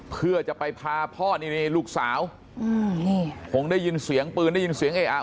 เพื่อจะไปพาพ่อนี่นี่ลูกสาวคงได้ยินเสียงปืนได้ยินเสียงเออะ